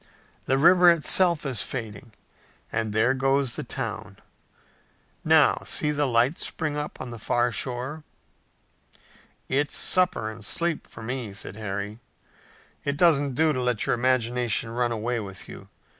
The river itself is fading, and there goes the town! Now, see the lights spring up on the far shore!" "It's supper and sleep for me," said Harry. "It doesn't do to let your imagination run away with you.